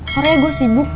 soalnya gua sibuk